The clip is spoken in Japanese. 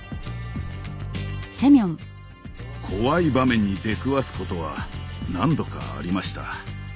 怖い場面に出くわすことは何度かありました。